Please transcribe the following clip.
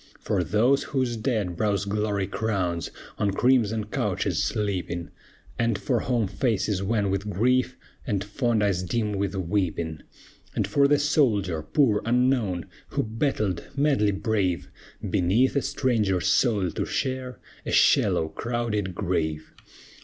For those whose dead brows glory crowns, On crimson couches sleeping, And for home faces wan with grief, And fond eyes dim with weeping. And for the soldier, poor, unknown, Who battled, madly brave, Beneath a stranger soil to share A shallow, crowded grave.